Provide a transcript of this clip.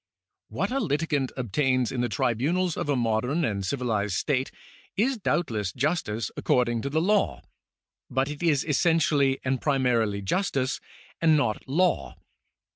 What a litigant obtains in the tribunals of a modern and civilized state is doubtless justice according to law, but it is essentially and primarily justice and not law.